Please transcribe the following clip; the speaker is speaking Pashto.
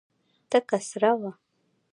تکه سره وه.